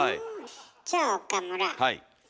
じゃあ岡村。